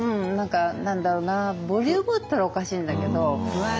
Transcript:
何だろうなボリュームといったらおかしいんだけど。